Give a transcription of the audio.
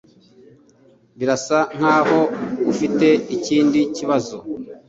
Birasa nkaho ufite ikindi kibazo